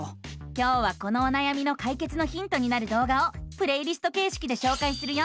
今日はこのおなやみのかいけつのヒントになる動画をプレイリストけいしきでしょうかいするよ！